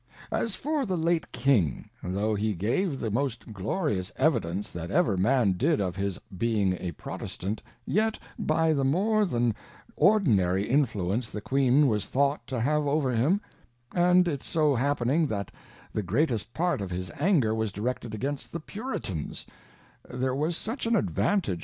As for the late King, tho he gave the most glorious Evidence that ever Man did of his being a Protestant, yet, by the more than ordinary Influence the Queen was thought to have over him, and it so happening that the greatest part of his Anger was directed against the Puritans, there was such an advantage to of a Trimmer.